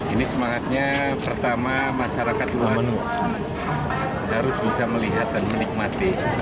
ini semangatnya pertama masyarakat luas harus bisa melihat dan menikmati